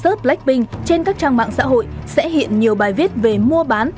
những con sốt blackpink trên các trang mạng xã hội sẽ hiện nhiều bài viết về mua bán